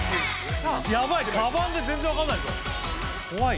ヤバい「かばん」で全然分かんないこわい